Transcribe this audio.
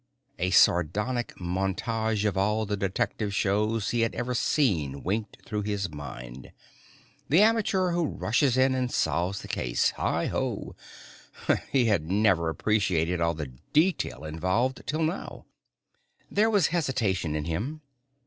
A sardonic montage of all the detective shows he had ever seen winked through his mind. The amateur who rushes in and solves the case, heigh ho. He had never appreciated all the detail involved till now. There was hesitation in him.